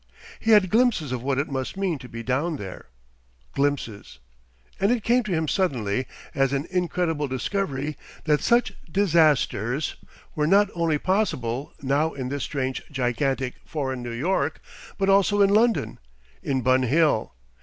He had glimpses of what it must mean to be down there glimpses. And it came to him suddenly as an incredible discovery, that such disasters were not only possible now in this strange, gigantic, foreign New York, but also in London in Bun Hill!